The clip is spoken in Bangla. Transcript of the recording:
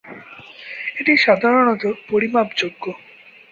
এটি সাধারণত পরিমাপযোগ্য।